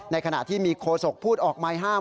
ในขณะมีโคตรพูดออกไม้ห้าม